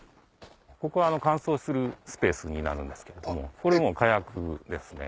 ここは乾燥するスペースになるんですけれどもこれ火薬ですね。